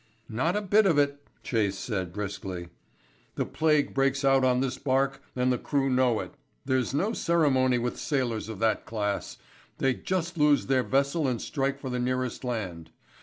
"Not a bit of it," Chase, said briskly. "The plague breaks out on this barque and the crew know it. There's no ceremony with sailors of that class. They just lose their vessel and strike for the nearest land.